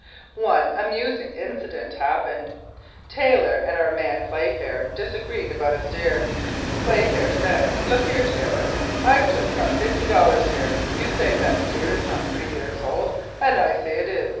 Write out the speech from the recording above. One amusing incident happened. Taylor and our man, Playfair, disagreed about a steer. Playfair said, "Look here, Taylor, I've just got fifty dollars here. You say that steer is not three years old and I say it is.